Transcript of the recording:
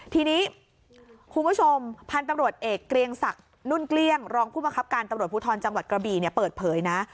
ทีนี้คุณผู้ชมพันธุ์ตำรวจเอกเกลียงศักดิ์รองผู้ประคับการตำรวจผู้ทอนจังหวัดกระบีเปิดเผยนะ